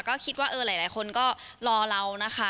ก็คิดว่าเออหลายคนก็รอเรานะคะ